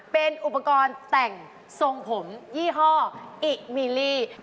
เป็นอุปกรณ์แต่งทรงผมยี่ห้ออิมิลี่